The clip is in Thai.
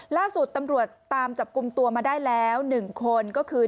ล่าสุดตำรวจตามจับกลุ่มตัวมาได้แล้ว๑คนก็คือ